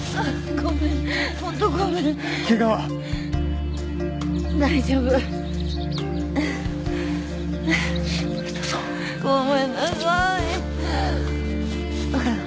ごめんなさい。